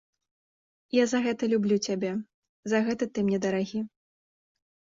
Я за гэта люблю цябе, за гэта ты мне дарагі.